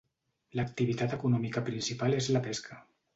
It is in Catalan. L'activitat econòmica principal és la pesca.